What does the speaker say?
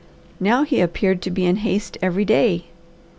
Now he appeared to be in haste every day.